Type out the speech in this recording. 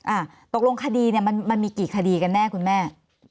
อ่าตกลงคดีเนี่ยมันมันมีกี่คดีกันแน่คุณแม่